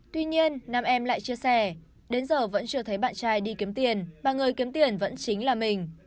tuy nhiên nam em lại chia sẻ đến giờ vẫn chưa thấy bạn trai đi kiếm tiền và người kiếm tiền vẫn chính là mình